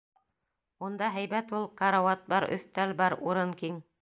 Унда һәйбәт ул. Карауат бар, өҫтәл бар, урын киң...